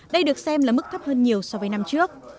đây được xem là mức thấp hơn nhiều so với năm trước